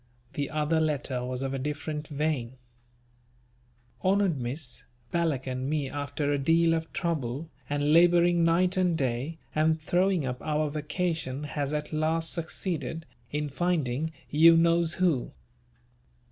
The other letter was of a different vein: "HONOURED Miss, Balak and me after a deal of trouble and labouring night and day and throwing up our vacation has at last succeeded in finding you knows who.